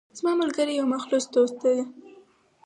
زما ملګری یو مخلص دوست ده